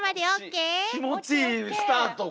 気持ちいいスタート